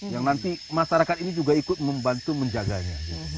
yang nanti masyarakat ini juga ikut membantu menjaganya